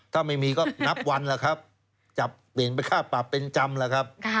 ถ้าไม่มีก็นับวันแล้วครับจับเปลี่ยนเป็นค่าปรับเป็นจำแล้วครับ